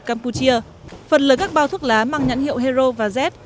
campuchia phần lời các bao thuốc lá mang nhãn hiệu hero và z